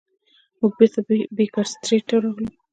موږ بیرته بیکر سټریټ ته راغلو.